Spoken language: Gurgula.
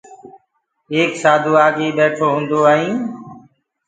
ايڪ سآڌوٚ آگيئيٚ ٻيٺو هُونٚدو ائينٚ